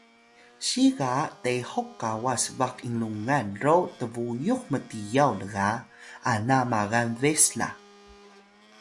siga tehuk kawas baq inlungan ro tbuyux mtiyaw lga ana magal bes la